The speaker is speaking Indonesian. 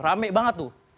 rame banget tuh